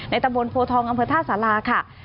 ตำบลโพทองอำเภอท่าสาราค่ะ